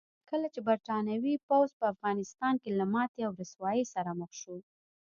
کله چې برتانوي پوځ په افغانستان کې له ماتې او رسوایۍ سره مخ شو.